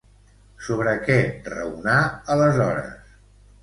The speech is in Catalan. Sobre què raonà, aleshores?